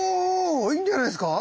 いいんじゃないですか！